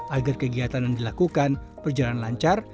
agar kegiatan yang dilakukan berjalan lancar